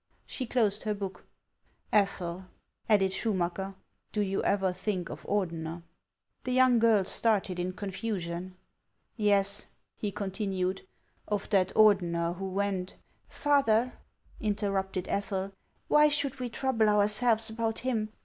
" She closed her book. " Ethel," added Schumacker, " do you ever think of Ordener ?" The young girl started in confusion. " Yes," he continued, " of that Ordener who went — "Father," interrupted Ethel, "why should we trouble ourselves about him